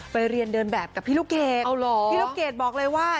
ไปเรียนเดินแบบกับพี่ลูกเกดพี่ลูกเกดบอกเลยว่า